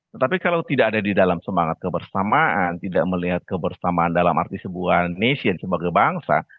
tetapi kalau tidak ada di dalam semangat kebersamaan tidak melihat kebersamaan dalam arti sebuah nation sebagai bangsa